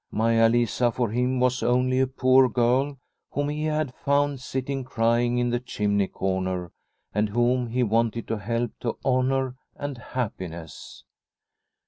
Maia Lisa for him was only a poor girl whom he had found sitting crying in the chimney corner and whom he wanted to help to honour and happiness.